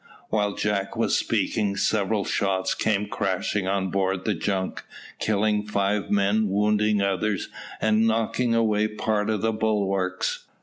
While Jack was speaking, several shots came crashing on board the junk, killing five men, wounding others, and knocking away part of the bulwarks.